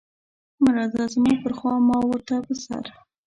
مه راځه زما پر خوا ما ورته په سر.